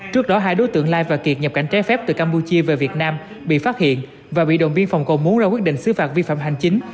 trước đó hai đối tượng lai và kiệt nhập cảnh trái phép từ campuchia về việt nam bị phát hiện và bị động viên phòng cầu mú ra quyết định xứ phạt vi phạm hành chính